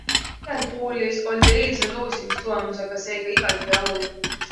Liverpoolis oldi eilse loosimistulemusega seega igati rahul.